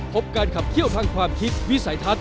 พบการขับเคี่ยวทางความคิดวิสัยทัศน